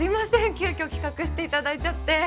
急遽企画していただいちゃって。